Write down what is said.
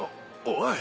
おい。